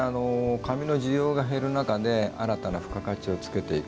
紙の需要が減る中で新たな付加価値をつけていく。